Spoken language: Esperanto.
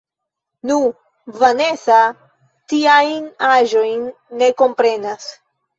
Nu, Vanesa tiajn aĵojn ne komprenas.